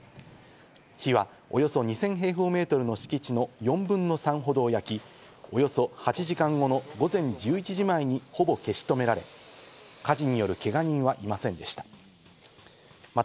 火はおよそ２０００平方メートルの敷地の４分の３ほどを焼き、およそ８時間後の午前１１時前にほぼ消し止められ、火事によるけが人はいませんでした。